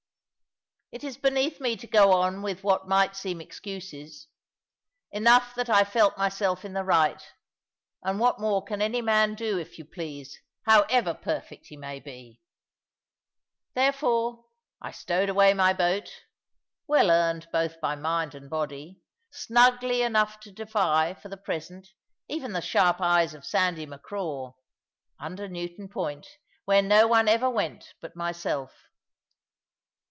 It is beneath me to go on with what might seem excuses. Enough that I felt myself in the right; and what more can any man do, if you please, however perfect he may be? Therefore I stowed away my boat (well earned both by mind and body) snugly enough to defy, for the present, even the sharp eyes of Sandy Macraw, under Newton Point, where no one ever went but myself.